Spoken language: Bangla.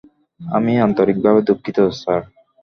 আমি আন্তরিকভাবে দুঃখিত, স্যার!